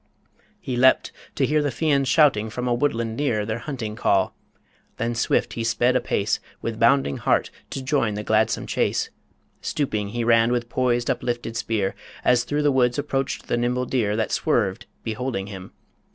He leapt to hear The Fians shouting from a woodland near Their hunting call. Then swift he sped a pace, With bounding heart, to join the gladsome chase; Stooping he ran, with poised, uplifted spear, As through the woods approached the nimble deer That swerved, beholding him.